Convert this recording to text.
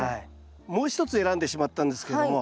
もう一つ選んでしまったんですけども。